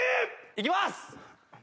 いきます！